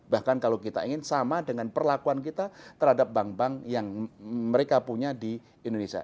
bahkan kalau kita ingin sama dengan perlakuan kita terhadap bank bank yang mereka punya di indonesia